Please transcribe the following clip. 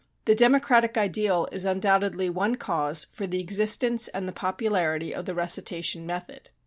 The democratic ideal is undoubtedly one cause for the existence and the popularity of the recitation method.